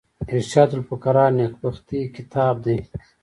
ارشاد الفقراء نېکبختي کتاب دﺉ.